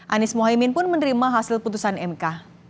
anies mohaimin pun menerima hasil putusan mk